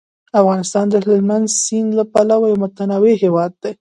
افغانستان د هلمند سیند له پلوه یو متنوع هیواد دی.